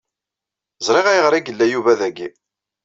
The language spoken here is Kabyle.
Zriɣ ayɣer ig yella Yuba dagi.